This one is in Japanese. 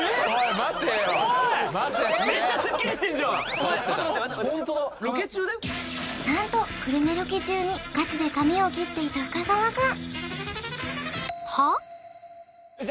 待てよ待てってホントだロケ中だよ何とグルメロケ中にガチで髪を切っていた深澤くん